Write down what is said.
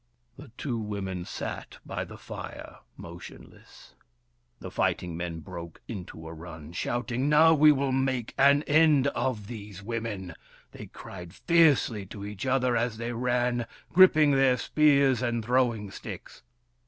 The two women sat by the fire, motionless. The fighting men broke into a run, shouting :" Now we will make an end of these women !" they cried fiercely to each other, as they ran, gripping their spears and throwing sticks.